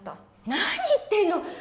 何言ってるの！？